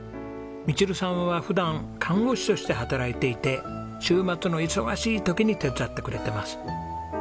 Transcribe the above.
ミチルさんは普段看護師として働いていて週末の忙しい時に手伝ってくれてます。